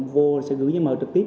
vô sẽ gửi giấy mờ trực tiếp